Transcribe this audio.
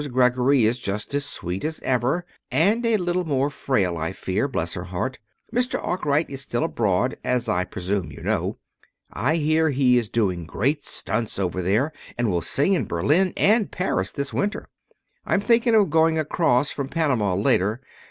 Greggory is just as sweet as ever and a little more frail, I fear, bless her heart! Mr. Arkwright is still abroad, as I presume you know. I hear he is doing great stunts over there, and will sing in Berlin and Paris this winter. I'm thinking of going across from Panama later.